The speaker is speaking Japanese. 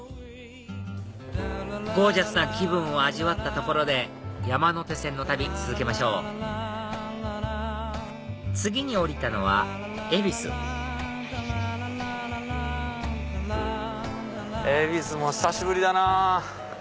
ゴージャスな気分を味わったところで山手線の旅続けましょう次に降りたのは恵比寿恵比寿も久しぶりだなぁ。